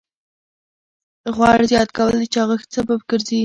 غوړ زیات کول د چاغښت سبب ګرځي.